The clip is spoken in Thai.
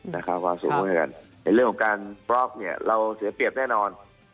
ในเรื่องของการปลอร์กเราเสียเปรียบแน่นอน